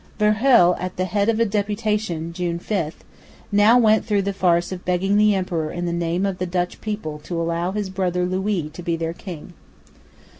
Verhuell, at the head of a deputation (June 5), now went through the farce of begging the emperor in the name of the Dutch people to allow his brother, Louis, to be their king.